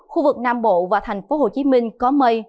khu vực nam bộ và thành phố hồ chí minh có mây